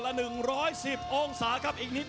ประโยชน์ทอตอร์จานแสนชัยกับยานิลลาลีนี่ครับ